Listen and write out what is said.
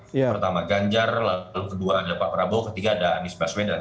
pertama ganjar lalu kedua ada pak prabowo ketiga ada anies baswedan